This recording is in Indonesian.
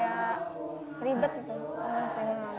dua hari tidak sekolah